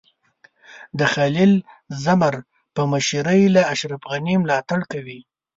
د خلیل زمر په مشرۍ له اشرف غني ملاتړ کوي.